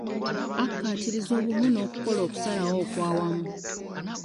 Akaatiriza obumu n'okukola okusalawo okwawamu.